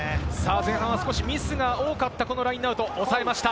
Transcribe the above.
前半は少しミスが多かったラインアウト、おさえました。